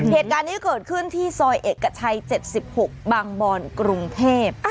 เหตุการณ์นี้เกิดขึ้นที่ซอยเอกชัย๗๖บางบอนกรุงเทพ